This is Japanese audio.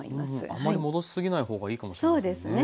あまり戻し過ぎない方がいいかもしれませんね。